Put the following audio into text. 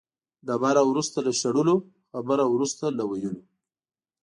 ډبره وروسته له شړلو، خبره وروسته له ویلو.